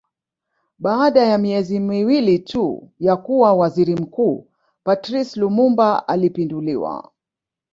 Baada ya miezi miwili tu ya kuwa Waziri Mkuu Patrice Lumumba alipinduliwa